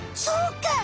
そうか！